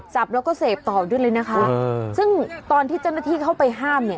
จับแล้วก็เสพต่อด้วยเลยนะคะซึ่งตอนที่เจ้าหน้าที่เข้าไปห้ามเนี่ย